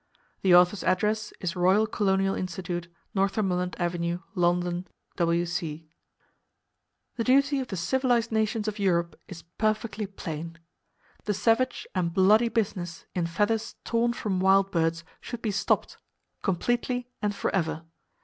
The author's address is Royal Colonial Institute, Northumberland Ave., London, W.C. The duty of the civilized nations of Europe is perfectly plain. The savage and bloody business in feathers torn from wild birds should be stopped, completely and forever.